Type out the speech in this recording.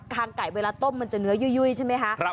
งไก่เวลาต้มมันจะเนื้อยุ่ยใช่ไหมคะ